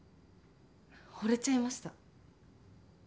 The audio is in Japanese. ほれちゃいました。